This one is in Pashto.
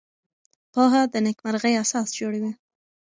پوهه د نېکمرغۍ اساس جوړوي.